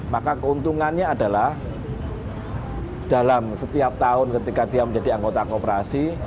maka keuntungannya adalah dalam setiap tahun ketika dia menjadi anggota koperasi